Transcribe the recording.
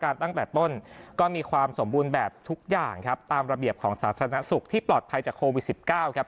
ตั้งแต่ต้นก็มีความสมบูรณ์แบบทุกอย่างครับตามระเบียบของสาธารณสุขที่ปลอดภัยจากโควิดสิบเก้าครับ